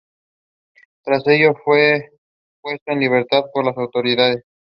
Tras ello fue puesto en libertad por las autoridades.